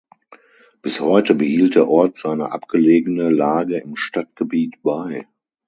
Bis heute behielt der Ort seine abgelegene Lage im Stadtgebiet bei.